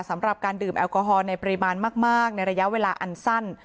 สำหรับการดื่มแอลกอฮอลในปริมาณมากในระยะเวลาอันสั้น